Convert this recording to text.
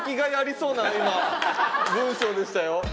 今文章でしたよ